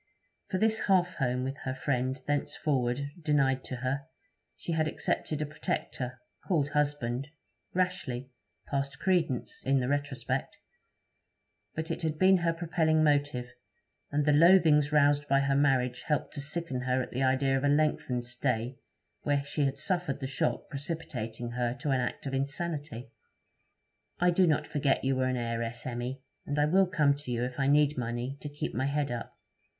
For this half home with her friend thenceforward denied to her, she had accepted a protector, called husband rashly, past credence, in the retrospect; but it had been her propelling motive; and the loathings roused by her marriage helped to sicken her at the idea of a lengthened stay where she had suffered the shock precipitating her to an act of insanity. 'I do not forget you were an heiress, Emmy, and I will come to you if I need money to keep my head up.